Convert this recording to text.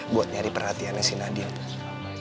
buat nyari perhatiannya si nadiem